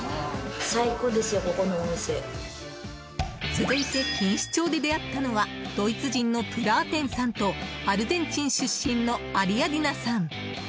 続いて、錦糸町で出会ったのはドイツ人のプラーテンさんとアルゼンチン出身のアリアディナさん。